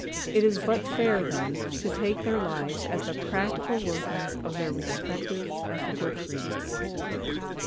It is but fair, then, to take their lives as the practical workings of their respective ethical creeds.